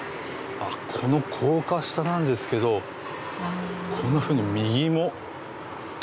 この高架下なんですけどこんな風に。